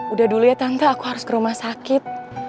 udah dulu ya tante aku harus ke rumah sakit